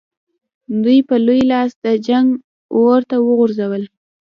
دوی په لوی لاس د جنګ اور ته وغورځول.